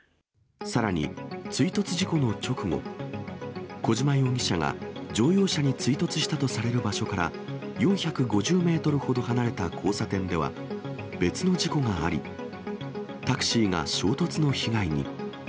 さらに、追突事故の直後、小島容疑者が、乗用車に追突したとされる場所から４５０メートルほど離れた交差点では、別の事故があり、タクシーが衝突の被害に。